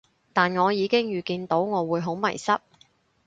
但我已經預見到我會好迷失